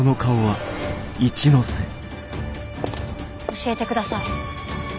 教えてください。